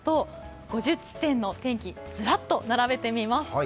５０地点の天気ずらっと並べてみます。